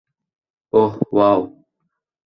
ওহহ, wow.